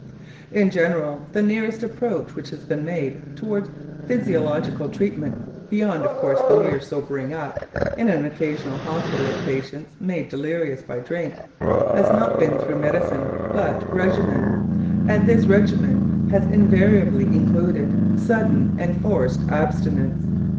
In general the nearest approach which has been made toward physiological treatment beyond, of course, the mere "sobering up" in an occasional hospital of patients made delirious by drink has not been through medicine, but regimen, and this regimen has invariably included sudden enforced abstinence.